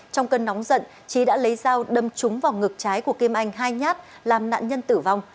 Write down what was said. trong cơn nóng giận trí đã lấy dao đâm trúng vào ngực trái của kim anh hai nhát làm nạn nhân tử vong